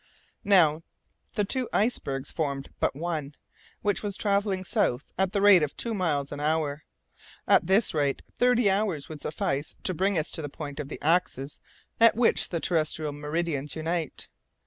Now, the two icebergs formed but one, which was travelling south at the rate of two miles an hour. At this rate, thirty hours would suffice to bring us to the point of the axis at which the terrestrial meridians unite.